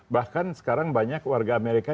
bahkan sekarang banyak warga amerika